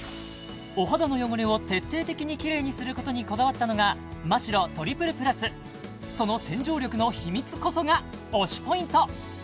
お肌の汚れを徹底的にキレイにすることにこだわったのがその洗浄力の秘密こそが推しＰｏｉｎｔ！